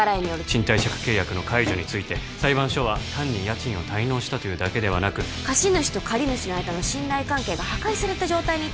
賃貸借契約の解除について裁判所は単に家賃を滞納したというだけではなく貸主と借り主の間の信頼関係が破壊された状態に